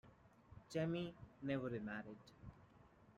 Jemy never remarried.